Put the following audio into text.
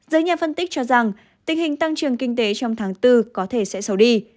giới nhà phân tích cho rằng tình hình tăng trưởng kinh tế trong tháng bốn có thể sẽ xấu đi